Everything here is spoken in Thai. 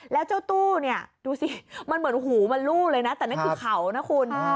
แล้วเจ้าตู้เนี่ยดูสิมันเหมือนหูมันลู่เลยนะแต่นั่นคือเขานะคุณ